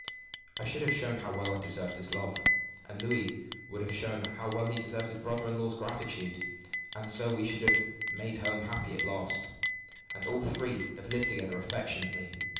I should have shown how well I deserved his love, and Louis would have shown how well he deserved his brother in law's gratitude; and so we should have made home happy at last, and all three have lived together affectionately.